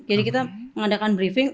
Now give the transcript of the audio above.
jadi kita mengadakan briefing